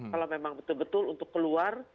kalau memang betul betul untuk keluar